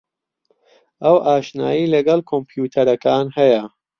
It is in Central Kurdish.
ئەو ئاشنایی لەگەڵ کۆمپیوتەرەکان ھەیە.